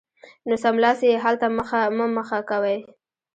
نو سملاسي یې حل ته مه مخه کوئ